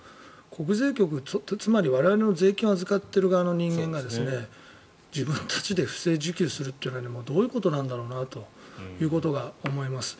国税局、つまり我々の税金を預かっている側の人間が自分たちで不正受給するっていうのはどういうことなんだろうなということを思います。